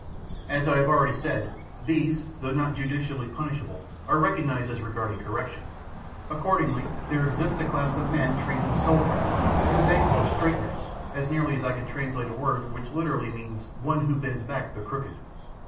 As I have already said, these, though not judicially punishable, are recognised as requiring correction. Accordingly, there exists a class of men trained in soul craft, whom they call straighteners, as nearly as I can translate a word which literally means "one who bends back the crooked."